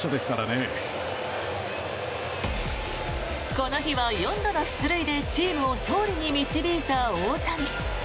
この日は４度の出塁でチームを勝利に導いた大谷。